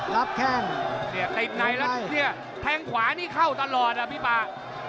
รับแค่งเตะในแล้วแค่งขวานี่เข้าตลอดอ่ะพี่ป่า